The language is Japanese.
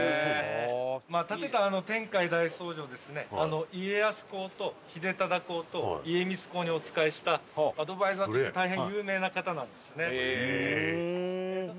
建てた天海大僧正はですね家康公と秀忠公と家光公にお仕えしたアドバイザーとして大変有名な方なんですね。